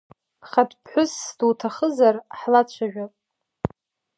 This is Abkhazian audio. Хатә ԥҳәысс дуҭахызар ҳлацәажәап…